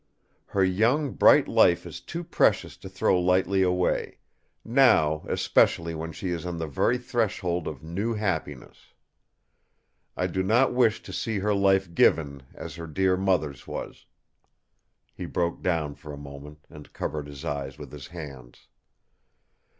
Her young bright life is too precious to throw lightly away; now especially when she is on the very threshold of new happiness. I do not wish to see her life given, as her dear mother's was—" He broke down for a moment, and covered his eyes with his hands.